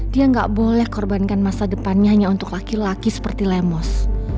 dia nggak boleh korbankan masa depannya hanya untuk laki laki seperti lemos